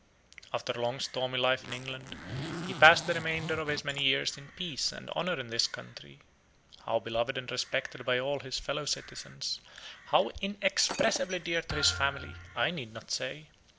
After a long stormy life in England, he passed the remainder of his many years in peace and honor in this country; how beloved and respected by all his fellow citizens, how inexpressibly dear to his family, I need not say.